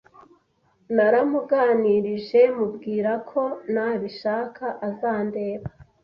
Naramuganirije mubwira ko nabishaka azandeba